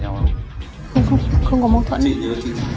chị nhớ chị nhé